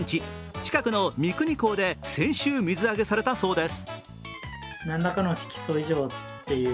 近くの三国港で先週水揚げされたそうです。